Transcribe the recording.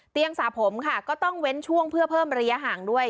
สระผมค่ะก็ต้องเว้นช่วงเพื่อเพิ่มระยะห่างด้วย